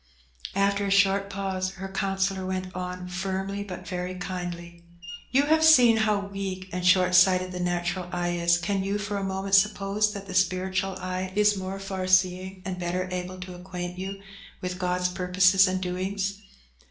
After a short pause, her counsellor went on, firmly, but very kindly,– "You have seen how weak and short sighted the natural eye is; can you for a moment suppose that the spiritual eye is more far seeing and better able to acquaint you with God's purposes and doings?